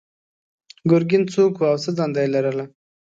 ګرګین څوک و او څه دنده یې لرله؟